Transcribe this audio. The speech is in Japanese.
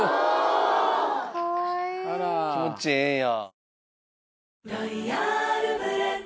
気持ちええんや。